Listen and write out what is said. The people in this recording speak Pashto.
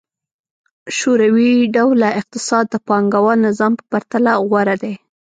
شوروي ډوله اقتصاد د پانګوال نظام په پرتله غوره دی.